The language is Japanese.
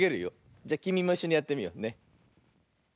じゃきみもいっしょにやってみようね。